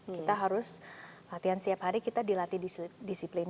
kita harus latihan setiap hari kita dilatih disiplin